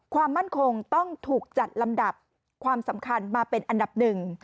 ความมั่นคงต้องถูกจัดลำดับความสำคัญมาเป็นอันดับหนึ่ง